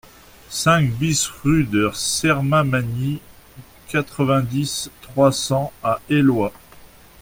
cinq BIS rue de Sermamagny, quatre-vingt-dix, trois cents à Éloie